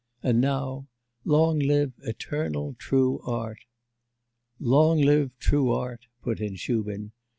And now, 'Long live eternal true art!' 'Long live true art!' put in Shubin.